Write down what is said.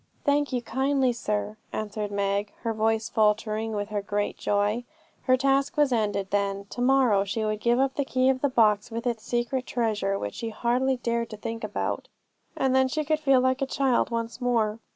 'Thank you kindly, sir,' answered Meg, her voice faltering with her great joy. Her task was ended, then. To morrow she would give up the key of the box with its secret treasure, which she hardly dared to think about, and then she could feel like a child once more.